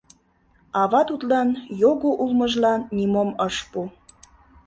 Ава тудлан його улмыжлан нимом ыш пу.